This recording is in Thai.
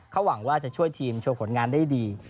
เขาหวังว่าจะช่วยทีมโชว์ผลงานได้ดี